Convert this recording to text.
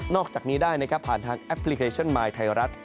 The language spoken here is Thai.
อกจากนี้ได้นะครับผ่านทางแอปพลิเคชันมายไทยรัฐ